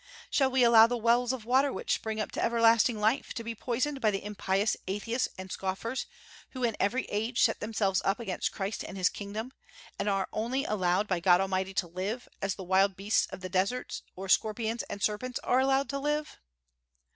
Shall we allow the wells of water which spring up to everlasting life to be poisoned by the impious atheists and scoffers, who in every age set themselves up against Christ and His kingdom, and are only allowed by God Almighty to live, as the wild beasts of the desert or scorpions and serpents are allowed to live?